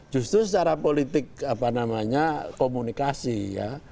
justru secara politik komunikasi ya